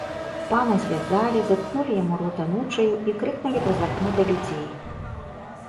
Пана звязалі, заткнулі яму рот анучаю і крыкнулі праз акно да людзей.